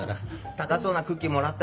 高そうなクッキーもらったよ。